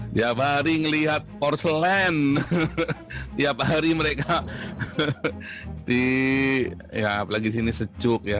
tiap hari melihat porselen tiap hari mereka di ya apalagi disini sejuk ya